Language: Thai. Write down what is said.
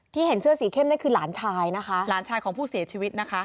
เห็นเสื้อสีเข้มนั่นคือหลานชายนะคะหลานชายของผู้เสียชีวิตนะคะ